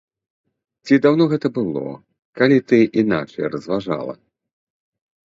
Ці даўно гэта было, калі ты іначай разважала?